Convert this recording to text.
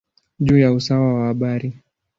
juu ya usawa wa bahari.